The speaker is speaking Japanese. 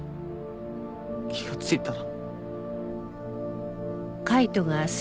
気がついたら。